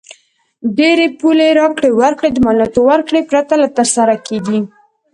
ډېری پولي راکړې ورکړې د مالیاتو ورکړې پرته تر سره کیږي.